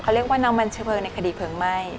เรียกว่าน้ำมันเชื้อเพลิงในคดีเพลิงไหม้